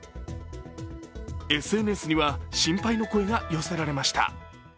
ＳＮＳには心配の声が寄せられました